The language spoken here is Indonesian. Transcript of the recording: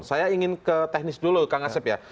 saya ingin ke teknis dulu kang asep ya